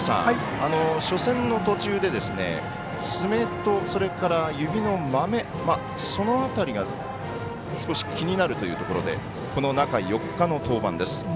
初戦の途中で爪と指のまめ、その辺りが少し気になるというところで中４日の登板です。